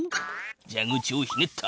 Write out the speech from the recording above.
蛇口をひねった。